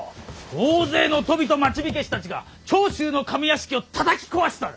大勢の鳶と町火消したちが長州の上屋敷をたたき壊しておる。